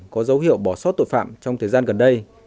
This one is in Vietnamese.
có dấu hiệu bỏ sót tội phạm trong thời gian gần đây